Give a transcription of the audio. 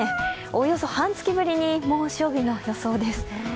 およそ半月ぶりに猛暑日の予想です。